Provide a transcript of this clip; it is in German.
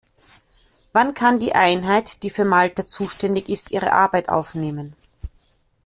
Wann kann die Einheit, die für Malta zuständig ist, ihre Arbeit aufnehmen?